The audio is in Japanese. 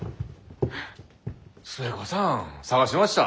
寿恵子さん捜しました。